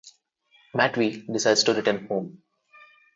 Matvey decides to return home.